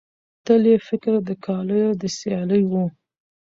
تل یې فکر د کالیو د سیالۍ وو